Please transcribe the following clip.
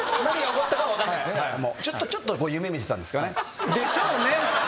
ちょっと夢見てたんですかね。でしょうね。でしょうね。